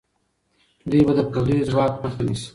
دوی به د پردیو ځواک مخه نیسي.